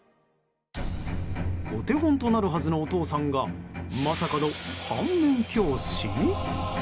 お手本となるはずのお父さんがまさかの反面教師？